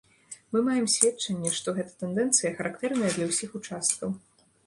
Мы маем сведчанне, што гэта тэндэнцыя, характэрная для ўсіх участкаў.